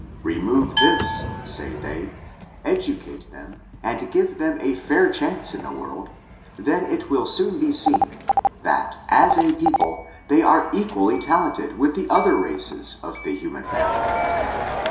Remove this say they, educate tbemi and give them a fair chance in the world, then it will soon be seen, that, as a people, they are equally tal ented with the other races of the human family.